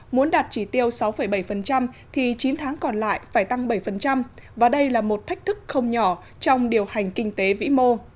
muốn đạt chỉ tiêu sáu bảy thì chín tháng còn lại phải tăng bảy và đây là một thách thức không nhỏ trong điều hành kinh tế vĩ mô